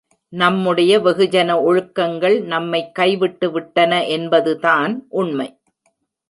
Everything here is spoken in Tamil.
நம்முடைய வெகுஜன ஒழுக்கங்கள் நம்மை கைவிட்டுவிட்டன என்பதுதான் உண்மை.